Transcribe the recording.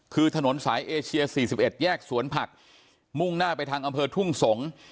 คือถนนสายเอเชีย๔๑แยกสวนผักมุ่งหน้าไปทางอำเภอทุ่งสงศ์